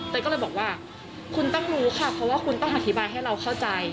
ก็เลยบอกว่าคุณต้องรู้ค่ะเพราะว่าคุณต้องอธิบายให้เราเข้าใจ